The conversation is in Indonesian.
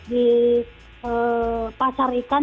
di pasar ikan